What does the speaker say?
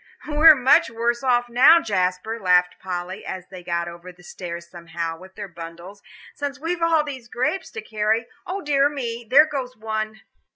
"We are much worse off now, Jasper," laughed Polly, as they got over the stairs somehow with their burdens, "since we've all these grapes to carry. O dear me, there goes one!"